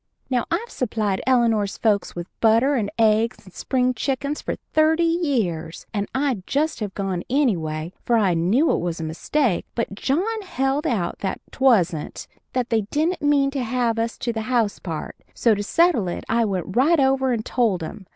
Now I've supplied Eleanor's folks with butter and eggs and spring chickens for thirty years, and I'd just have gone anyway, for I knew it was a mistake, but John held out that 'twasn't that they didn't mean to have us to the house part; so to settle it I went right over and told 'em.